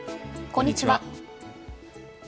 こんにちは。